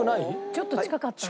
ちょっと近かったでしょ。